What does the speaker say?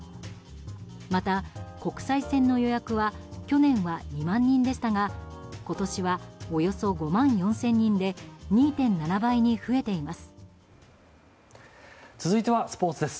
また、国際線の予約は去年は２万人でしたが今年はおよそ５万４０００人で２．７倍に増えています。